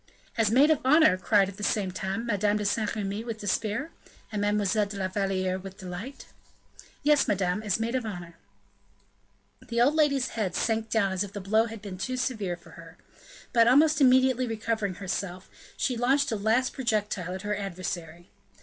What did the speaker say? "As maid of honor!" cried, at the same time, Madame de Saint Remy with despair, and Mademoiselle de la Valliere with delight. "Yes, madame, as maid of honor." The old lady's head sank down as if the blow had been too severe for her. But, almost immediately recovering herself, she launched a last projectile at her adversary.